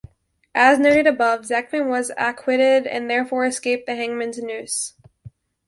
As noted above, Zechman was acquitted and therefore escaped the hangman's noose.